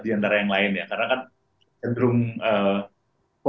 di antara yang lain ya